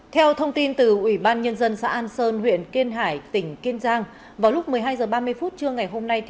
theo thông tin từ ubnd xã an sơn huyện kiên hải tỉnh kiên giang vào lúc một mươi hai h ba mươi phút trưa ngày hôm nay